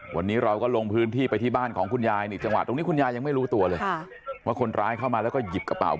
วันนี้เราก็ลงพื้นที่ไปที่บ้านของคุณยายเนี่ยจังหวัดตรงนี้คุณยายยังไม่รู้ตัวเลย